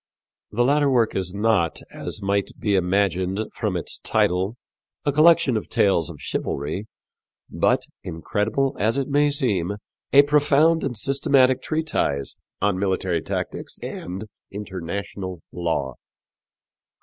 The latter work is not, as might be imagined from its title, a collection of tales of chivalry, but, incredible as it may seem, a profound and systematic treatise on military tactics and international law.